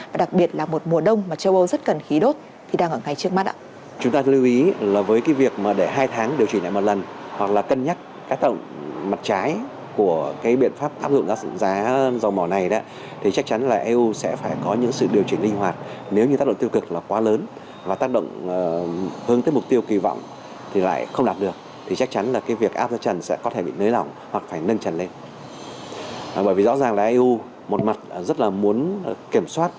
và đặc biệt là một mùa đông mà châu âu rất cần khí đốt thì đang ở ngay trước mắt